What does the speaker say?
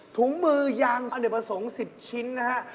ถุงมือยางอดีตผสม๑๐ชิ้นนะฮะ